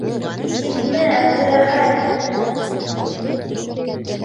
Китмә, Әптеләхәт!